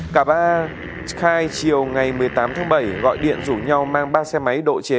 cả ba khai chiều ngày một mươi tám tháng bảy gọi điện rủ nhau mang ba xe máy độ chế